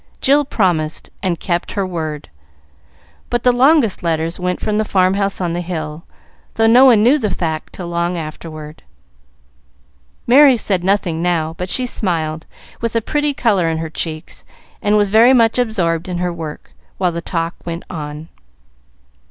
Jill promised, and kept her word; but the longest letters went from the farm house on the hill, though no one knew the fact till long afterward. Merry said nothing now, but she smiled, with a pretty color in her cheeks, and was very much absorbed in her work, while the talk went on.